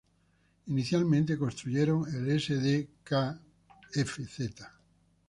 Inicialmente construyeron el Sd.Kfz.